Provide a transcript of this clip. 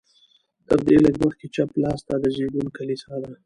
تر دې لږ مخکې چپ لاس ته د زېږون کلیسا ده.